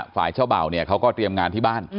ฝ่ายเช่าเบาเขาก็เตรียมงานที่บ้าน